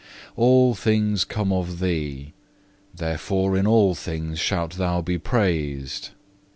All things come of Thee; therefore in all things shalt thou be praised.